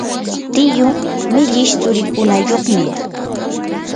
tiyuu millish tsurikunayuqmi.